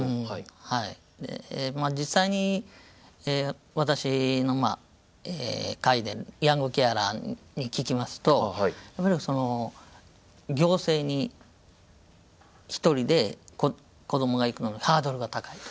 で実際に私の会でヤングケアラーに聞きますとその行政に一人で子どもが行くのはハードルが高いと。